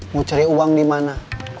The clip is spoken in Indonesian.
mau cari uang dimana